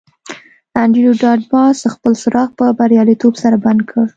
انډریو ډاټ باس خپل څراغ په بریالیتوب سره بند کړ